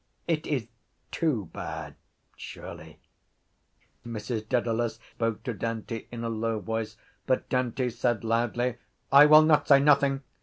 It is too bad surely. Mrs Dedalus spoke to Dante in a low voice but Dante said loudly: —I will not say nothing.